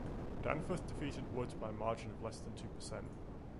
Danforth defeated Woods by a margin of less than two percent.